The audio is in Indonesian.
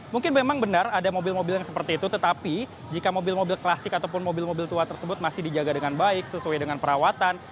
mungkin memang benar ada mobil mobil yang seperti itu tetapi jika mobil mobil klasik ataupun mobil mobil tua tersebut masih dijaga dengan baik sesuai dengan perawatan